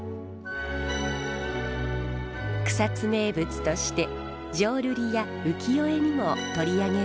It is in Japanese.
草津名物として浄瑠璃や浮世絵にも取り上げられました。